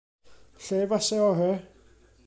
Lle fase orau?